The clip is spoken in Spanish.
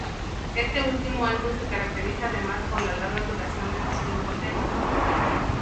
Este último álbum se caracteriza además por la larga duración de sus cinco temas.